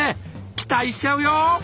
期待しちゃうよ。